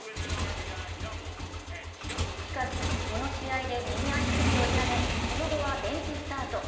しかし、この試合で右足首を痛めその後はベンチスタート。